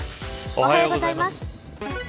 おはようございます。